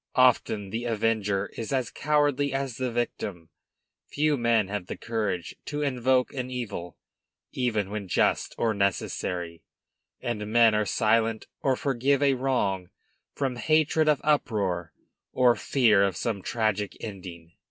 Often the avenger is as cowardly as the victim. Few men have the courage to invoke an evil, even when just or necessary, and men are silent or forgive a wrong from hatred of uproar or fear of some tragic ending.